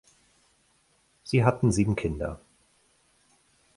Sie hatten sieben Kinder